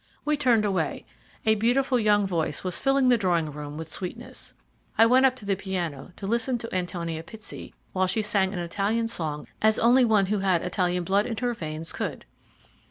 We turned away. A beautiful young voice was filling the old drawing room with sweetness. I went up to the piano to listen to Antonia Pitsey, while she sang an Italian song as only one who had Italian blood in her veins could.